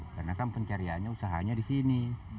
karena kan pencariannya usahanya di sini